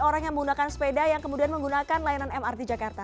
orang yang menggunakan sepeda yang kemudian menggunakan layanan mrt jakarta